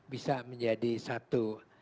bisa menjadi satu